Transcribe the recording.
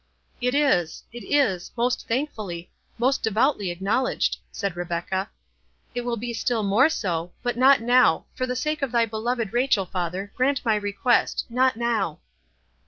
"It is—it is—most thankfully—most devoutly acknowledged," said Rebecca—"it shall be still more so—but not now—for the sake of thy beloved Rachel, father, grant my request—not now!"